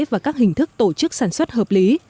và các hình thức tổ chức sản xuất hợp lý